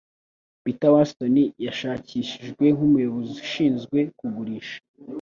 Peter Watson yashakishijwe nk'umuyobozi ushinzwe kugurisha